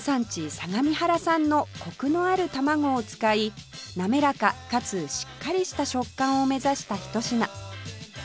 相模原産のコクのある卵を使いなめらかかつしっかりした食感を目指したひと品